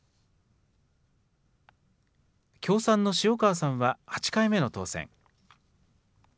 共産の塩川さんは８回目の当選。